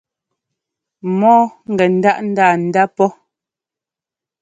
Mɔɔ gɛ ńdáʼ ńdanda pɔ́.